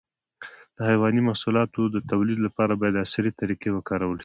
د حيواني محصولاتو د تولید لپاره باید عصري طریقې وکارول شي.